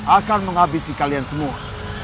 akan menghabisi kalian semua